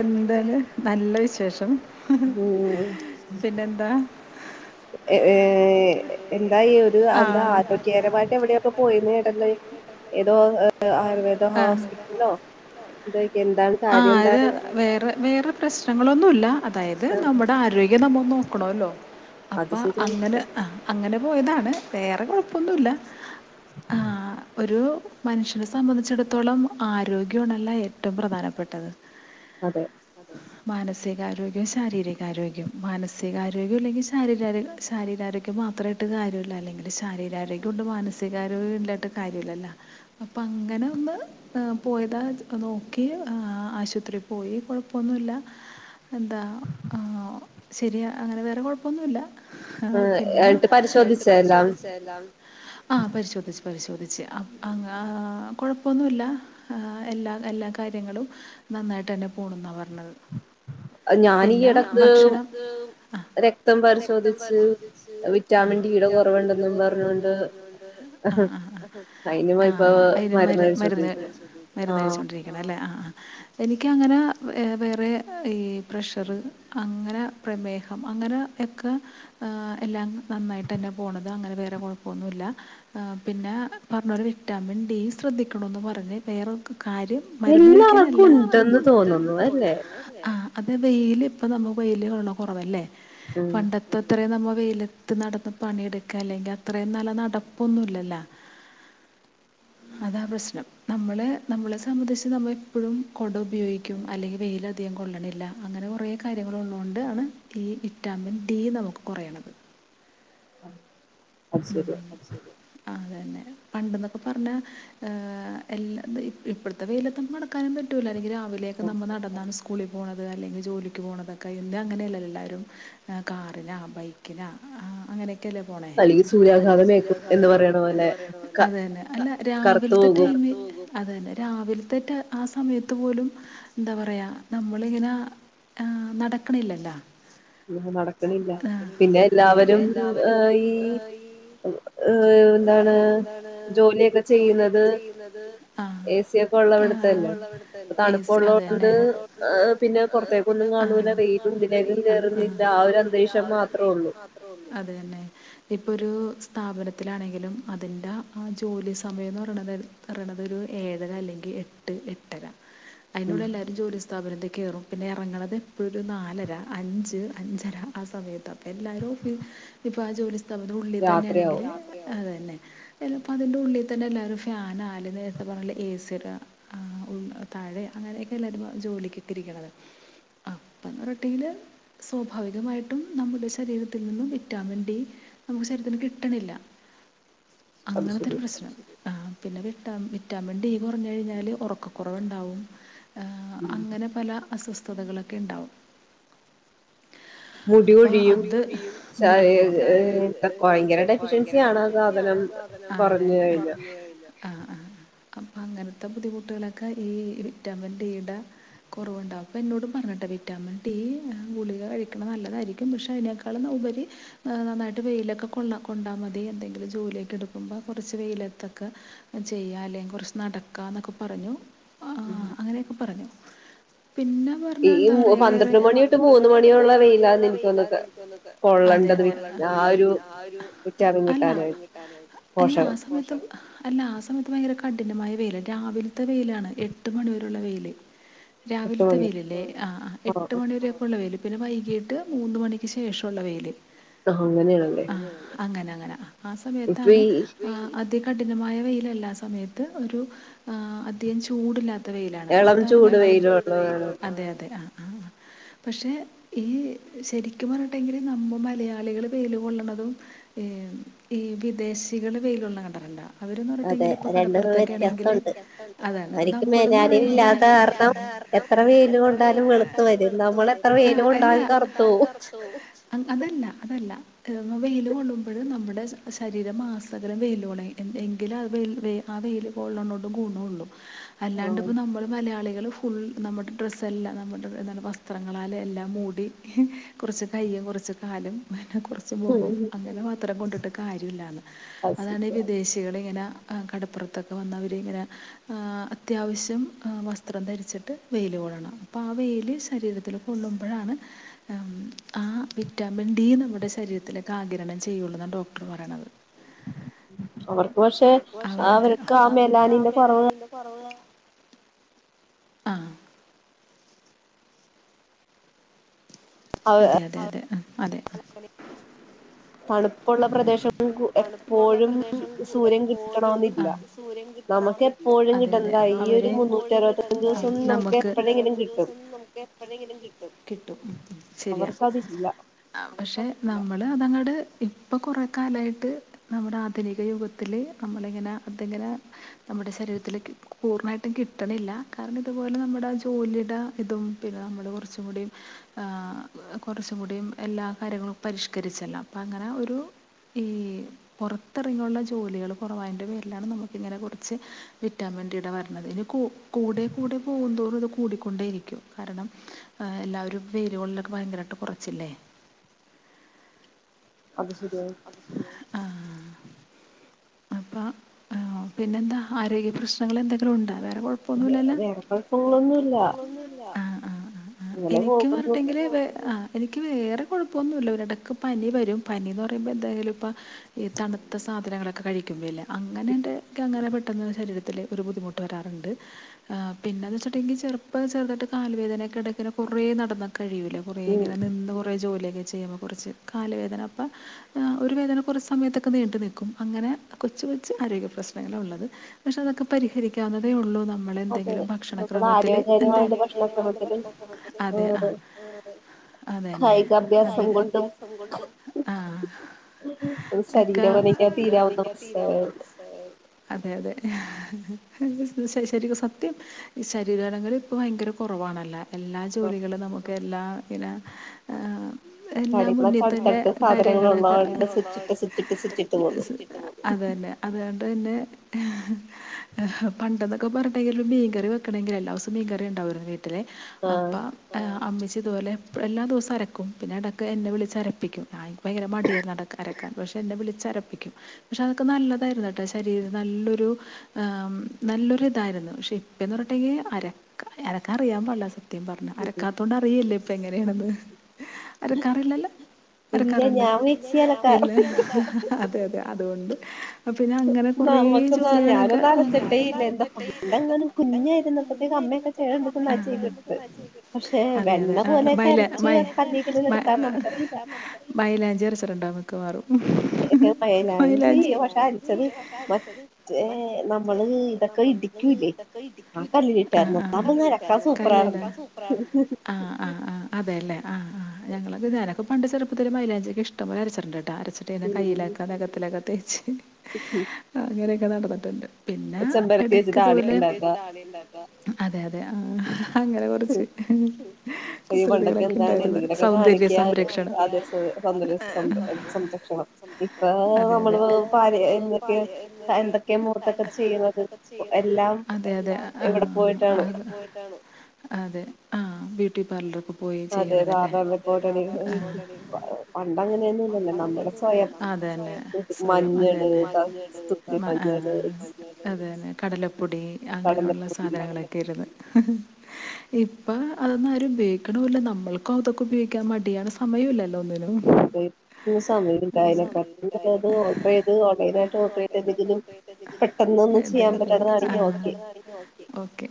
എന്താണ് നല്ല വിശേഷം പിന്നെന്താ ഏഹ് ഏ എന്താ ഈ ഒരു എന്താ ആരോഗ്യകരമായിട്ട് എവിടെയൊക്കെ പോയന്ന് കേട്ടല്ലോ ഏതോ ആയുർവേദ ഹോസ്പിറ്റലോ എ ആ അത് വേറെ വേറെ പ്രശ്നങ്ങളൊന്നുല്ല അതായത് നമ്മുടെ ആരോഗ്യം നമ്മൾ നോക്കണല്ലോ അപ്പ അങ്ങനെ അങ്ങനെ പോയതാണ് വേറെ കൊഴപ്പൊന്നുല്ല ആ ഒരു മനുഷ്യനെ സംബന്ധിച്ചിടത്തോളം ആരോഗ്യണല്ല ഏറ്റവും പ്രധാനം പെട്ടത് മാനസികാരോഗ്യം ശാരീരികാരോഗ്യം മാനസികാരോഗ്യം ഇല്ലെങ്കി ശാരിരിഗ ശാരീരാരോഗ്യം വ മാത്രട്ട് കാര്യല്ല അല്ലെങ്കില് ശാരീരാരോഗ്യം കൊണ്ട് മാനസികാരോഗ്യണ്ടായിട്ട് കാര്യല്ലല്ല അപ്പ അങ്ങനെ ഒന്ന് അ് പോയതാ നോക്കി ആ ആശുപത്രിയി പോയി കൊഴപ്പൊന്നുല്ല എന്താ ആ ശരിയാ അങ്ങനെ വേറെ കൊഴപ്പൊന്നുല്ല ആ പിന്നെ. എന്നിട്ട് പരിശോധിച്ചോ എല്ലാം. ആ പരിശോധിച്ചു പരിശോധിച്ചു അ അങ്ങ ആ കൊഴപ്പൊന്നുല്ല ആ എല്ലാ എല്ല കാ ര്യങ്ങള് നന്നായിട്ടെന്നെ പോണ്ന്ന പറ്ഞ്ഞത് പിന്നെ ഭക്ഷണം ആ രക്തം പരിശോധിച്ച്. ആ. വിറ്റാമിൻ ഡി യുടെ കുറവുണ്ടെന്നും പറഞ്ഞൊണ്ട് ആ ആ ആ ആ അയിന് മര് മരുന്ന് മരുന്ന്കഴിച്ചൊണ്ടിരിക്കണല്ലേ ആ ആ എനിക്കങ്ങനെ വേറെ ഈ പ്രഷർ അങ്ങനെ പ്രമേഹം അങ്ങനെ ഒക്കെ അ് എല്ലാം നന്നായിട്ടന്നെ പോണത് അങ്ങനെ വേറെ കുഴപ്പൊന്നുല്ല അ് പിന്നെ ആ പറഞ്ഞൊരു വിറ്റാമിൻ ഡി ശ്രദ്ധിക്കണന്ന് പറഞ്ഞ് വേറൊക്കെ കാര്യം മരുന്ന് കഴിക്കാന് എല്ലാ. എല്ലാര്ക്കുണ്ടെന്ന് തോന്നുന്നെലെ. ആ അതെ വെയ്ൽ ഇപ്പം നമുക്ക് വെയിൽ കാണാ കുറവല്ലേ പണ്ടത്തെത്രയും നമ്മൾ വെൽ ത്ത് നടന്ന് പണിയെടുക്ക അല്ലെങ്കിൽ അത്രയും നല്ല നടപ്പൊന്നുംല്ലല്ലോ അതാ പ്രശ്നം നമ്മള് നമ്മള് [unintelligible] നമ്മള് എപ്പോഴും കുട ഉപയോഗിക്കും അല്ലെങ്കിൽ വെയിലധികം കൊള്ളണില്ല അങ്ങനെ കുറേ കാര്യങ്ങളുള്ളോ ണ്ടാണ് ഈ വിറ്റാമിൻ ഡി നമുക്ക് കുറയണത് അത് ശരിയ തന്നെ പണ്ട്ന്നൊക്കെ പറഞ്ഞാ അ് എല്ല ഇപ്പഴത്തെ വെയിലതൊന്നും നടക്കാനും പറ്റൂല അല്ലെങ്കി രാവി വിലേക്കെ നമ്മൾ നടന്നാണ് സ്കൂളിൽ പോണുന്നത് അല്ലെങ്കിൽ ജോലിക്ക് പോണതൊക്കെ ഇന്ന് അങ്ങനെയല്ല എല്ലാരും കാറിനാ ബൈക്കിനാ അ അങ്ങനെ ക്കല്ലേ പോണേ അല്ലങ്കിൽ സൂര്യാഘാതം ഏൽക്കും എന്ന്പറയണ പോലെ. അത് തന്നെ. അല്ല രാവിലത്തെ ടൈമിൽ അതെന്നെ രാവില്ത്തെറ്റ ആ സമയത്ത് പോലും എന്താ പറയാ നമ്മളിങ്ങനെ ആ് നടക്കണില്ലല്ലോ അ നടക്കണില്ല പിന്നെ എല്ലാവരും ഏ ഈ- ഏർ എന്താണ്? ജോലിയൊക്കെ ചെയുന്നത് ആ പി എസ് സി പിന്നെ പുറത്തേക്ക ഒന്നും കാണ റ ഉറ എ കറുന്നില്ല ആ ഒരു അന്തരീക്ഷം മാത്രള്ളൂ അത തന്നെ ഇപ്പോൾ ഒരു സ്ഥാപനത്തിലാണെങ്കിലും അതിൻ്റെ ആ ജോലി സമയം എന്ന് പറ ഇതൊ ഒരു- ഏഴര അല്ലെങ്കിൽ എട്ട് എട്ടര അതിനുള്ള എല്ലാവരും ജോലിസ്ഥഥാപന- കയറും പിന്നെ ഇറങ്ങത് എപ്പോഴൊ ഒരു നാലര അഞ്ച് അഞ്ചര ആ സമയത്ത് അപ്പോം എല്ലാവരും ഓഫീസ് ഇപ്പൊ ആ ജോലി സ്ഥാപത്ത് ഉള്ളി തന്നെയാണെങ്കില് അത തന്നെ ചപ്പോ അതിന്റെ ഉള്ളിൽ തന്നെ എല്ലാരും ഫാന ആാല നേ പറഞ്ഞ എ സിയ െ അങ്ങനെയൊക്കെ എല്ലാരും ജോലി കിട്ടിരിക്കണുന്നത് അപ്പ റൊട്ടിയില് സ്വാഭാവികമായിട്ടും നമ്മുടെ ശരീരത്തിൽ നിന്നും വിറ്റാമിൻ ഡി നമുക്ക് ശരീരത്തിന് കിട്ടണില്ല അങ്ങനത്തെ ഒരു പ്രശ്നം ആ പിന്നെ വി വിറ്റാമിൻ ഡി കുറഞ്ഞ കഴിഞ്ഞാല്റ ഒക്കെ കുറവണ്ടാവും അങ്ങനെ പല അസ്ഥ വസ്തുതകളൊക്കെ ഉണ്ടാവും അപ്പ അത് അതെതെ ഭയങ്കര ഡെഫിഷ്യൻസി ആണ് ആ സാധനം കുറഞ്ഞു കഴിഞ്ഞ ആ ആ അപ്പം അങ്ങനത്തെ ബുദ്ധിമുട്ടുകളൊക്കെ ഈ വിറ്റാമിൻ ഡീടെ കുറവുണ്ടാവും അപ്പൊ എന്നോട് പറഞ്ഞട്ടെ വിറ്റാമിൻ ടി ഗുളിക കഴിക്കണം നല്ലതായിരിക്കും പക്ഷെ അതിനേക്കാ- ലുപരി നന്നായി- വെയിലക്കെ കൊണ്ടാൽ മതി എന്തെിലും ജോലിയക്കെ എടുക്ക്പ കുറച്ച് വെെ ചെയ്യാ കുറച്ച് നടക്കാ എന്നൊക്കെ പറഞ്ഞു അങ്ങനെയൊക്കെ പറഞ്ഞു പിന്നെ പറഞ്ഞ എന്താ പറയാ വേറെ പന്ത്ര മണിയോട്ട് മൂന്ന മണിയോ ഉള്ള വെയിലാ എനിക്ക്ന്നത് അതെ അതെതെ. അ അല്ല ആ സമയത്ത അല്ല ആ സമയത്ത ഭയര കഠിനമായ വെയില് രാവിലത്തെ വെയിലാണ് എട്ട് മണിവൂരുള്ള വെയില് രാവിലത്തെ വെയില അല്ലേ ആ ആ എട്ട് മണി വരെക്കള്ള വെയിൽ പിന്നെ വൈകീട്ട് മൂന്ന് മണി ക്ക് ശേഷമുള്ള വെയില് ആ അങ്ങനെ അങ്ങനെ ആ സമയത്താണ്- കഠിനമായ വെയിലല്ലാ സമയത്ത് ഒരു അധികം ചൂടില്ലാത്ത- വെയിലാണ് അതാണ് അതെ അതെ ആ ആ പക്ഷെ ഈ ശരിക്കും പറഞ്ഞിട്ടെങ്കിൽ നമ്മ മലയാളികൾ വെയില കൊള്ളണതും ഈ ഈ വിദേശികള് വെയില കൊള്ളണം കണ്ടട്ടുണ്ട അവര്ന്ന് പറഞ്ഞിട്ടെങ്കില് ഇപ്പൊ കടപ്പുറത്തൊക്കെ ആണെങ്കില് അതാണ് അപ്പ നമ്മൾന്ന് പറയുമ്പോ എത്ര വെയില് കൊണ്ടാലും വെളുത്ത വരുംഅവര് എത്ര വെയില് കൊണ്ടാലും കറുത്ത് വരും അതല്ല അതല്ല മൊബൈൽ കൊണ്ടുമമ്പോഴും നമ്മുടെ ശരീരം ആസകരം വെയിലുകണ എങ്കിലും അ വെ ആ വെയില് കൊള്ളണോട്ടും ഗുണള്ളൂ അല്ലാണ്ട് ഇപ്പോ നമ്മള് മലയാള നല്ല ഫുൾ നമ്മടെ ഡ്രസ്സ്‌ എല്ലാം നമ്മുടെ എന്താണ് വസ്ത്രങ്ങളാലെ എല്ലാം മൂടി കുറച്ച് ടൈം കുറച്ച് കാലും കൊറ ചുമൂ ഖ വും അങ്ങനെ മാ ത്രം കൊണ്ടിട്ട് കാര്യമ ഇല്ലാന്ന് അതാണ് വിദേശികളിങ്ങനെ കടപുറത്തൊക്കെ വന്നവര് ഇങ്ങനെ അത്യാവശ്യം വസ്ത്രം ധ രിച്ചിട്ടു വെയിൽ അപാ വെയില് ശരീരത്തില് കൊള്ളുമ്പ ഴാണ് ആ വിറ്റാമിൻ ഡി ഇത് നമ്മുടെ ശരീരത്തിലേക്ക് ആകിരണം ചെയ്യുള്ളൂ എന്നാണ് ഡോക്ടർ പറയണത് അവർക്ക് അവർക്ക് ആ മേലാണ്ണി ന്ന പറയ്യാ ആ അതെ അതെ അതെ ആ അതെ. തണുപ്പുള്ള പ്രദേശം എപ്പോഴും സൂര്യൻ കിട്ടണോന്നില്ല. [unintelligible] കിട്ടും ശരിയാ. പക്ഷേ നമ്മൾ അതങ്ങുടെ ഇട ഇപ്പോൾ കുറെ കാലയിട്ട് നമ്മുടെ ആധുനിക യുഗത്തില് നമ്മളിങ്ങനെ അതെങ്ങനെ നമ്മുടെ ശരി ജീവിതത്തിലേക്ക് പൂർണ്ണമായിട്ടും കിട്ടണില്ല കാരണം ഇതുപോലെ നമ്മുടെ ജോലിയുടെ ഇതും പിന്നെ നമ്മുടെ കുറച്ച് ചുടിയും ആ കുറച്ചു കൂടിയും എല്ലാ കാര്യങ്ങളും പരിഷ്കരിച്ചല്ലോ അപ്പോ അങ്ങനെ ഒരു ഈ പുറത്തിറങ്ങുള്ള ജോലികള് കുറവായിന്റെ പേരിലാണ് നമുക്ക് ഇങ്ങനെ കുറച്ച് വി റ്റാമിൻ ഡിയുടെ ക രണമേ കൂടെ കൂടെ പോകന്തോറും ത് കൂടിക്കൊണ്ടേരിക്കും. കാരണം എല്ലാവരും വേരുകളിലൊക്കെ ഭയങ്കരയിട്ട് കുറച്ചില്ലേ. അത് ശരിയ. ആ അപ്പം പിന്നെന്താ ആരോഗ്യ പ്രശ്നങ്ങൾ എന്തെങ്കിലും ഉണ്ടാ വേ കൊഴപ്പൊന്നല്ലല്ല ആ ആ എനി ക്ക് പറഞ്ഞട്ടെങ്കില് എനിക്ക് വേറെ കുഴപ്പൊന്നുല്ല. ഒരിടക്ക് പനി വരും പനിന്ന് പറ പറയ്മ്പോ എന്തായലും ഇപ്പ ഈ തണുത്ത സാധങ്ങളൊക്കെ കഴിക്കുമ്പോല്ല അങ്ങനെ എന്റെ അങ്ങനെ പെട്ടന്ന് ശരീരത്തില് ഒരു ബുദ്ധിമുട്ട് വരാറുണ്ട്. പിന്നത് വച്ചിട്ടുണ്ടെങ്കി ചെലപ്പ ചെറു താ യി ട്ട് കാല് വേദന കിടക്ക കുറേ നടന്നക്ക കഴിയു ല്ല കുറേ ഇങ്ങനെ നിന്ന് കുറേ ജോലിയൊക്കെ ചെയ്യുമ്പം കുറച്ച് കാല് വേദന അപ്പ ഒരു വേദന കുറച്ച് സമയത്തൊക്കെ നീണ്ട നിക്കും അങ്ങനെ കൊച്ച് കൊച്ച് ആരോഗ്യ പ്രശ്നങ്ങള ഉള്ളത്. പക്ഷെ അതൊക്കെ പരിഹരിക്കാവുന്നതേ ഉള്ളൂ എന്നാ നമ്മള എന്തെങ്കിലും ഭക്ഷണക്രമത്തില് അതെ ആ അതെന്നെ ആ ക്ക അതെ അതെ. ശ ശീര സത്യം ശരീരനങ്കല് ഇപ്പ ഭയങ്കര കുറവാണല്ല. എല്ലാ ജോലികളും നമുക്ക് എല്ലാങ്ങനെ എല്ലാം എല്ലാ മുന്നിൽ തന്നെ കാര്യങ്ങള് അത തന്നെ അതുകൊണ്ട് തന്നെ പണ്ടെന്നൊക്കെ പറഞ്ഞിട്ടെങ്കും മീൻകറി വെക്കണങ്കി എല്ലാ ദിവസോം മീൻകറി ഉണ്ടാവുംരുന്നു ടിലെ അപ്പ അമ്മച്ചി ഇതു പ്പോലെ എല്ലാ ദിവസം അരക്കും. പിന്നെ ഇടക്ക് എന്നെ വിളി ച്ച് അരപ്പിക്കും. ഞാൻ ഭയങ്കര മടി യാ അക്കാൻ പക്ഷെ എന്നെ വിളിച്ചരപ്പിക്കും പക്ഷെ അതൊക്കെ നല്ലതായിരു ന്ന കേട്ടെ ശരീരം നല്ലൊരു നല്ലൊരു ഇതായിരുന്നു. പക്ഷെ ഇപ്പഴന്ന് പറഞ്ഞിട്ടണ്ടെങ്കി അരക്ക അരക്കാ അറിയാൻ പാടില്ല സ സത്യം പറഞ്ഞ അരക്കാത്തോണ്ട് അറിയില്ലേ ഇപ്പൊ എങ്ങനെയാണെന്ന്. അരക്കാറില്ലല്ല അരക്കാറുണ്ട ഇല്ല ആ ആ അതെ അതെ അതുകൊണ്ട് പിന്നെ അങ്ങനെ കൊറേ ജോലികളൊക്കെ ആ അതെ അതെ മൈല മൈ മൈലാഞ്ചി അരച്ചിട്ടുണ്ടാവും മിക്കവാറും ഏ മൈലാഞ്ചി പക്ഷെ അരച്ചത് മറ്റേ നമ്മള് ഇതൊക്കെ ഇടിക്കൂല്ലേ ആ കല്ലിലിട്ടായിരുന്നു അതാകുമ്പോ അരക്കാൻ സൂപ്പറ് ഇല്ലല്ലോ ആ-ആ-ആ അതെല്ലെ ആ-ആ ഞങ്ങളൊക്കെ ഞാനൊക്കെ പണ്ട് ചെറുപ്പത്തില് മൈലാഞ്ചിയൊക്കെ ഇഷ്ടംപലെ അരച്ച്ട്ടുണ്ടായിരുന്നു അരച്ചിട്ട്നെ കയ്യിലാക്ക നഖത്തിലൊക്കെ തേച്ചിട്ട് ഹ്മ്-ഹ്മ്-ഹ്മ് നടന്നിട്ടുണ്ട് പിന്നെ ഇടക്ക്ത്പോലെ താളിയ്ണ്ടാക്ക്അ അതെ അതെ ആ ഈ പണ്ടൊക്കെ എന്താണ് എന്തെങ്കിലൊക്കെ കാണിക്കാ ആ ദിവസം പന്തല് സംര സംരക്ഷണം ഇപ്പ നമ്മള് പഴയ എന്തൊക്കെയോ എന്തൊക്കെയോ എന്തൊക്കെയാ ദൂർത്തൊക്കെ ചെയ്യണത് അതെ അതെ ആ അതന്നെ എല്ലാം അവിടെപ്പോയിട്ടാണ് അതെ ആ ബ്യൂട്ടി പാർലറിലൊക്കെ പോയി ചെയ്യണതല്ലേ അതേ പാർലർല് പോയിട്ടാണ് പണ്ടങ്ങനെ ഒന്നുമില്ലല്ലോ നമ്മള് സ്വയം അതതെ സ്വയം അത് തന്നെ മഞ്ഞള് [unintelligible] ആ അത് തന്നെ കടലപ്പൊടി അങ്ങനുള്ള സാധനങ്ങളൊക്കായിരുന്നു ഇപ്പൊ അതൊന്നും ആരും ഉപയോഗിക്കണുമില്ല നമ്മൾക്കും അതൊക്ക ഉപയോഗിക്കാൻ മടിയാണ് സമയമില്ല ല്ലോ ഒന്നിനും സമയണ്ടാവില്ല [unintelligible] ഇവടത്തേതിനെവച്ച് നല്ല കളറാണെങ്കി ഓക്കെ ഓക്കെ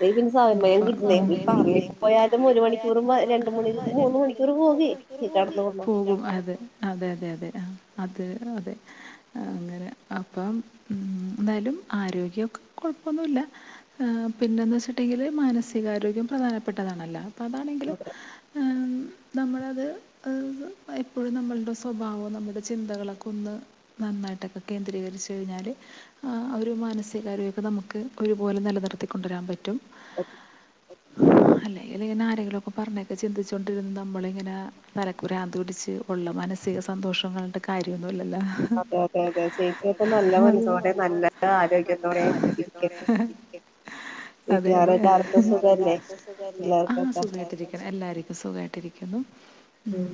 ദേ പിന്നെ സമയം കിട്ടില്ലെനിക്ക് പാർലറിൽ പോയാലും ഒരു മണിക്കൂറും രണ്ട് മണിക്കൂറ് മൂന്ന് മണിക്കൂർ പോകും കടന്നോ പോകും അതെ അതെ അതെ അതെ ആ അത് അതെ അങ്ങനെ അപ്പോ എന്നാലും ആരോഗ്യം കുഴപ്പമൊന്നുല്ല പിന്നേന്ന് വച്ചിട്ടെങ്കില് മാനസികാരോഗ്യം പ്രധാനപ്പെട്ടതാണല്ലോ ഇപ്പതാണെങ്കിലും ഉം നമ്മളത് എപ്പോഴും നമ്മളുടെ സ്വഭാവവും നമ്മളുടെ ചിന്തകളൊക്കൊ ഒന്ന് നന്നായിട്ടൊക്കെ കേന്ദ്രീകരിച്ച് കഴിഞ്ഞാല് ആ ഒരു മാനസികാരോഗ്യമൊക്കെ നമുക്ക് ഒരുപോലെ നിലനിർത്തിക്കൊണ്ടുരാൻ പറ്റും അല്ലെങ്കിൽ ഇങ്ങനെ ആരെങ്കിലൊക്കെ പറഞ്ഞതൊക്കെ ചിന്തിച്ചോണ്ടിരുന്ന് നമ്മളിങ്ങനെ തലക്ക് പ്രാന്ത് പിടിച്ച് ഉള്ള മാനസിക സന്തോഷവും കളഞ്ഞിട്ട് കാര്യ അല്ലല്ലോ അതെ അതെ അതെ അതൊക്കെ നല്ല മനസ്സോടെ നല്ല ആരോഗ്യത്തോടെ [inaudible] അതെ അതെ അവിടെ എല്ലാർക്കും സുഖവല്ലേ ആ സുഖായിട്ടിരിക്കണു എല്ലാരും സുഖവായിട്ടിരിക്കുന്നു ഉം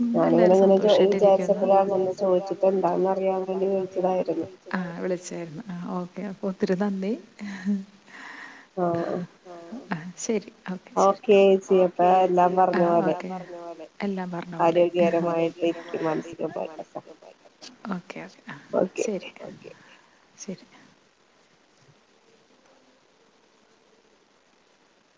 ഉം എല്ലാരും സന്തോഷവായിട്ടിരിക്കുന്നു അന്ന് നിനക്ക് [unintelligible] ചോദിച്ചിട്ട് എന്താന്നറിയാൻ വേണ്ടി വിളിച്ചതാ ആ വിളിച്ചായിരുന്നു ആ ഓക്കേ അപ്പോ ഒത്തിരി നന്ദി ആ ആ ശരി ഓക്കെ ശരി ഓക്കെ സീ യു ട്ടാ എല്ലാം പറഞ്ഞപോലെ എല്ലാം പറഞ്ഞ പോലെ ആരോഖ്യകരമായ ബ്രീത് മനസിലുണ്ടാകട്ടെ ഓക്കെ ഓക്കെ ശരി ഓക്കെ ശരി